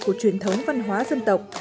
của truyền thống văn hóa dân tộc